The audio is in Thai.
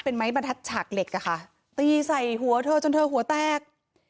เป็นไม้บรรทัดฉากเหล็กอะค่ะตีใส่หัวเธอจนเธอหัวแตก